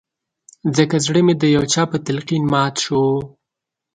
ځکه زړه مې د يو چا په تلقين مات شو